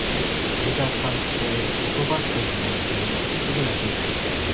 相澤さんって言葉通じない国でもすぐなじむタイプだよね。